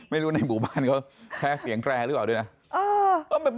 ไม่รู้ในบุมานเขาแคร่เสียงแคร่หรือเปล่าด้วยนะ